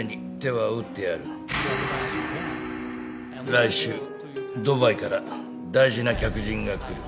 来週ドバイから大事な客人が来る。